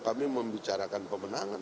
kami membicarakan pemenangan